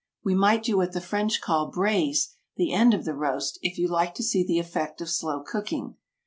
We might do what the French call braise the end of the roast, if you like to see the effect of slow cooking.